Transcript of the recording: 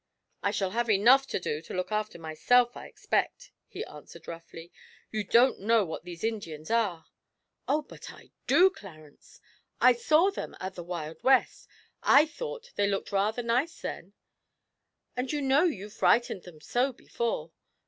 'I shall have enough to do to look after myself, I expect,' he answered roughly; 'you don't know what these Indians are.' 'Oh, but I do, Clarence; I saw them at the "Wild West." I thought they looked rather nice then. And you know you frightened them so before.